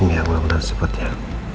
ya mudah mudahan sempat ya